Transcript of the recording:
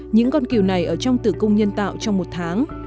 những con kiều này ở trong tử cung nhân tạo trong một tháng